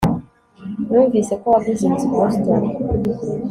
numvise ko waguze inzu i boston